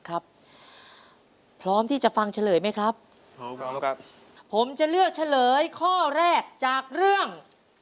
พร้อมที่จะฟังเฉลยไหมครับพร้อมพร้อมครับผมจะเลือกเฉลยข้อแรกจากเรื่อง